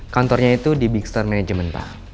kantornya itu di big star management pak